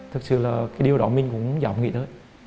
thực sự là cái điều đó mình cũng dám nghĩ thôi